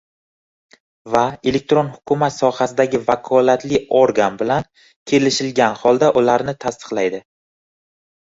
va elektron hukumat sohasidagi vakolatli organ bilan kelishilgan holda ularni tasdiqlaydi;